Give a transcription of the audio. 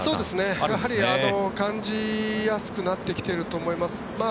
やはり感じやすくなってきていると思います。